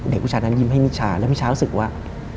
เด็กผู้ชายนั้นยิ้มให้มิชาแล้วมิชารู้สึกว่า